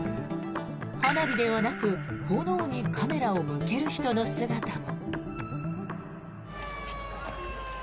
花火ではなく炎にカメラを向ける人の姿も。